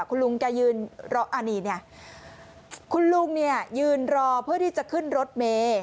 คุณลุงแกยืนคุณลุงเนี่ยยืนรอเพื่อที่จะขึ้นรถเม